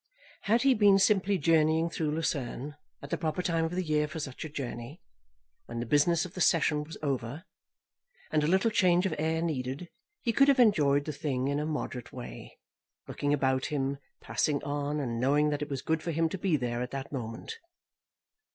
Had he been simply journeying through Lucerne at the proper time of the year for such a journey, when the business of the Session was over, and a little change of air needed, he could have enjoyed the thing in a moderate way, looking about him, passing on, and knowing that it was good for him to be there at that moment.